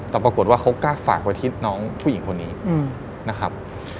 แต่ปรากฏว่าเขากล้าฝากไว้ที่น้องผู้หญิงคนนี้นะครับ